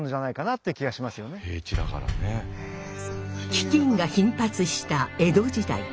飢饉が頻発した江戸時代。